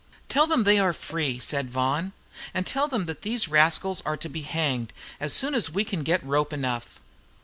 "Tell them they are free," said Vaughan; "and tell them that these rascals are to be hanged as soon as we can get rope enough."